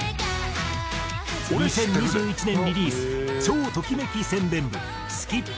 ２０２１年リリース超ときめき宣伝部『すきっ！